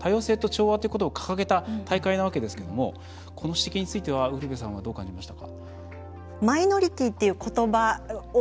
そもそも、大会としては多様性と調和ということを掲げた大会なわけですがこの指摘についてはウルヴェさんはどう感じましたか？